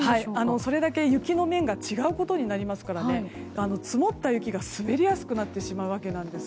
それだけ雪の面が違うことになるので積もった雪が滑りやすくなるわけです。